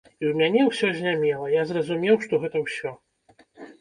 І ў мяне ўсё знямела, я зразумеў, што гэта ўсё.